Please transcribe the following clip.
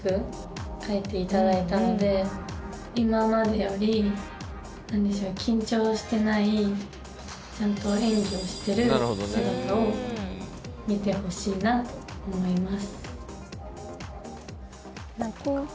今までより何でしょう緊張してないちゃんと演技をしてる姿を見てほしいなと思います